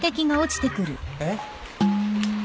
えっ？